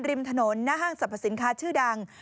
ริมถนนหน้าห้างสรรพสินค้าชื่อดัง